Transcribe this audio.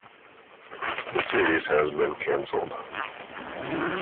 The series has been cancelled.